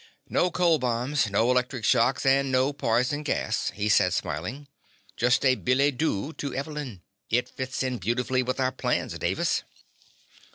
"No cold bombs, no electric shocks, and no poison gas," he said, smiling. "Just a billet doux to Evelyn. It fits in beautifully with our plans, Davis."